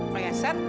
pak ya sant